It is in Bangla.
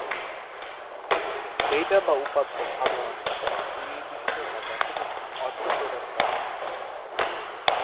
ডেটা বা উপাত্ত সাধারণত কোন সুনির্দিষ্ট বা যথাযথ অর্থ প্রকাশ করে না।